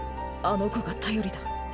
あの子が頼りだ。